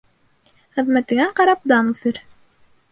Хеҙмәтеңә ҡарап дан үҫер.